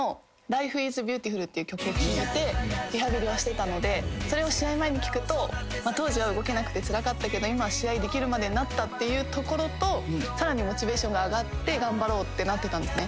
聴いてリハビリをしてたのでそれを試合前に聴くと当時は動けなくてつらかったけど今は試合できるまでになったっていうところとさらにモチベーションが上がって頑張ろうってなってたんですね。